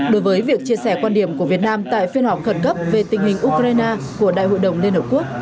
đối với việc chia sẻ quan điểm của việt nam tại phiên họp khẩn cấp về tình hình ukraine của đại hội đồng liên hợp quốc